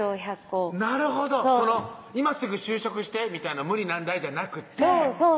なるほど「今すぐ就職して」みたいな無理難題じゃなくってそう